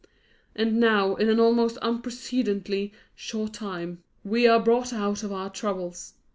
And now, in an almost unprecedentedly short time, we are brought out of our troubles.